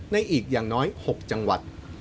อีกอย่างน้อย๖จังหวัด